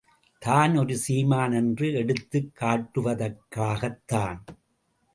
தான் ஒரு சீமான் என்று எடுத்துக் காட்டுவதற்காகத்தான்.